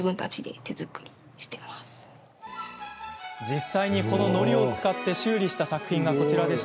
実際に、この、のりを使って修理した作品がこちら。